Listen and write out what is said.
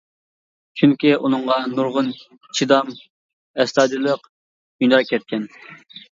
چۈنكى ئۇنىڭغا نۇرغۇن چىدام، ئەستايىدىللىق، ھۈنەر كەتكەن.